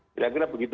ya kira kira begitu